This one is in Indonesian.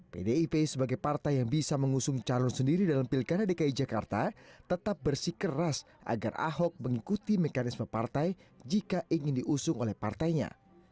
pdip sebagai partai yang bisa mengusung calon sendiri dalam pilkada dki jakarta tetap bersih keras agar ahok mengikuti mekanisme partai jika ingin diusung oleh partainya